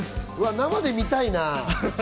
生で見たいな。